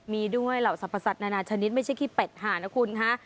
มีด้วยเหล่าสรรพสัตว์นานาชนิดไม่ใช่ขี้เป็ดหานะคุณค่ะ